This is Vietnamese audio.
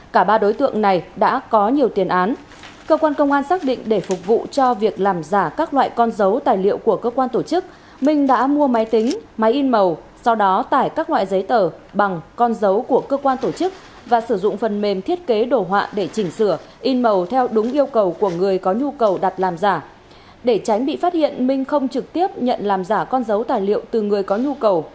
các đối tượng trong đường dây làm giả con dấu tài liệu của cơ quan tổ chức với số lượng lớn vừa bị phòng cảnh sát hình sự công an tỉnh nghệ an bắt giữ